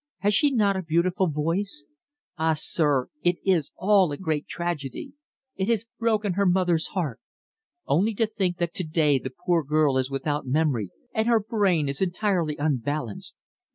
Has she not a beautiful voice? Ah, sir it is all a great tragedy! It has broken her mother's heart. Only to think that to day the poor girl is without memory, and her brain is entirely unbalanced.